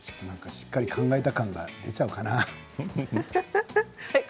しっかり考えた感が出ちゃうかな。